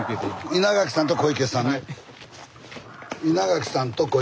稲垣さんと小池さん。